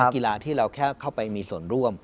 กีฬาที่เราแค่เข้าไปมีส่วนร่วม